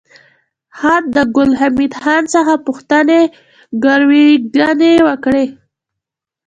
خاد د ګل حمید خان څخه پوښتنې ګروېږنې وکړې